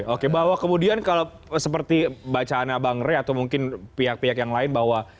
oke bahwa kemudian kalau seperti bacaannya bang rey atau mungkin pihak pihak yang lain bahwa